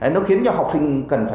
nó khiến cho học sinh cần phải